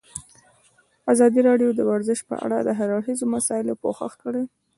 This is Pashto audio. ازادي راډیو د ورزش په اړه د هر اړخیزو مسایلو پوښښ کړی.